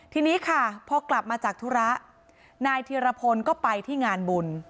ทีนี้ค่ะพอกลับมาจากธุระนายธีรพลก็ไปที่งานบุญ